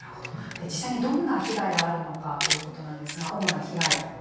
実際にどんな被害があるのかということなんですが主な被害。